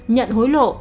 nhận hối lộ